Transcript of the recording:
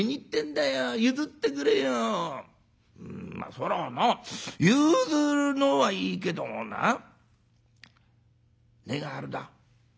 そりゃあな譲るのはいいけどもな値が張るだ」。